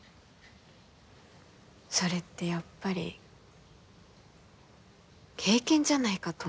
それってやっぱり経験じゃないかと思うんだよね。